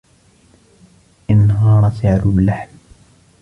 انهار سعر اللحم.